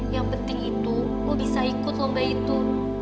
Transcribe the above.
yang penting itu lo bisa ikut lomba itu